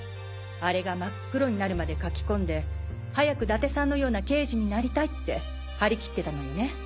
あれが真っ黒になるまで書き込んで早く伊達さんのような刑事になりたいって張り切ってたのよね。